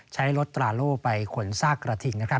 ใช้รถตราโล่ไปขนซากกระทิง